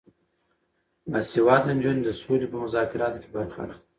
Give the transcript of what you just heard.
باسواده نجونې د سولې په مذاکراتو کې برخه اخلي.